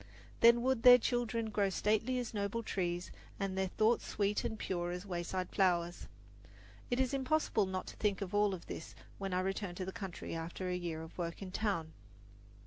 Then would their children grow stately as noble trees, and their thoughts sweet and pure as wayside flowers. It is impossible not to think of all this when I return to the country after a year of work in town.